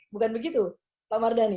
bukan begitu pak mardhani